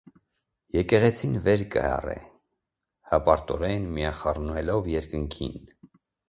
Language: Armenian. Եկեղեցին վեր կը յառի՝ հպարտորէն միախառնուելով երկինքին։